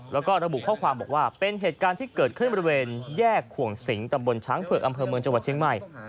แล้วก็ระบุข้อความบอกว่าเป็นเหตุการณ์ที่เกิดขึ้นบริเวณแยกขวงสิงตำบลช้างเผือกอำเภอเมืองจังหวัดเชียงใหม่